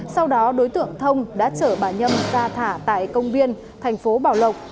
sau đó đối tượng thông đã chở bà nhâm ra thả tại công viên thành phố bảo lộc